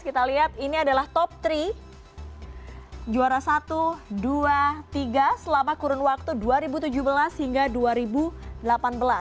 kita lihat ini adalah top tiga juara satu dua tiga selama kurun waktu dua ribu tujuh belas hingga dua ribu delapan belas